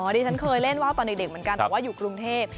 แล้วฉันเคยเล่นเว้าตอนเด็กเหมือนกันคืออยู่กรุงเทพฯ